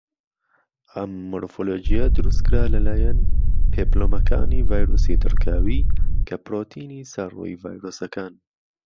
ئەم مۆرفۆلۆجیە دروستکرا لەلایەن پێپلۆمەکانی ڤایرۆسی دڕکاوی، کە پڕۆتینی سەر ڕووی ڤایرۆسەکەن.